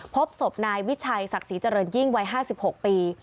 พบศพนายวิชัยศักดิ์ศรีเจริญยิ่งวัย๕๖ปี